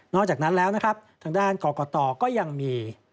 อกจากนั้นแล้วนะครับทางด้านกรกตก็ยังมี